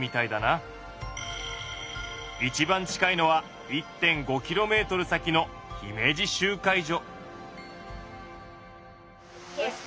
一番近いのは１．５キロメートル先の姫路集会所。